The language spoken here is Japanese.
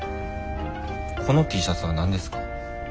このＴシャツは何ですか？